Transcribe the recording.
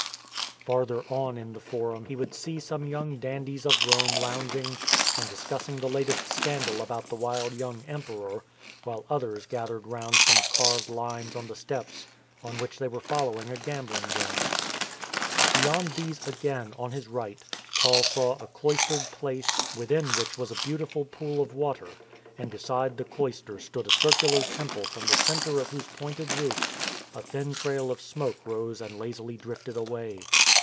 Farther on in the Forum he would see some young dandies of Rome lounging and discussing the latest scandal about the wild young emperor, while others gathered round some carved lines on the steps on which they were following a gambling game. Beyond these again, on his right, Paul saw a cloistered place within which was a beautiful pool of water; and beside the cloister stood a circular temple from the centre of whose pointed roof a thin trail of smoke rose and lazily drifted away.